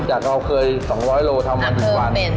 จากเราเคย๒๐๐โลเท่าไหร่ทุกวัน